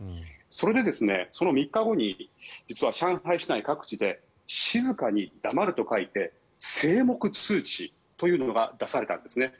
それで、その３日後に実は上海市内各地で静かに黙ると書いて静黙通知というのが出されたんですね。